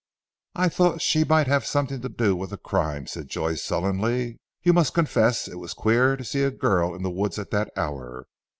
"I thought she might have had something to do with the crime," said Joyce sullenly, "you must confess it was queer to see a girl in the woods at that hour.